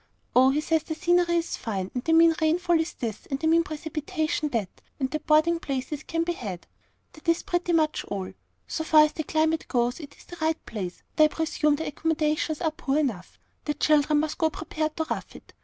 "Oh, he says the scenery is fine, and the mean rain fall is this, and the mean precipitation that, and that boarding places can be had. That is pretty much all. So far as climate goes, it is the right place, but I presume the accommodations are poor enough. The children must go prepared to rough it.